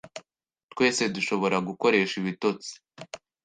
Twese dushobora gukoresha ibitotsi.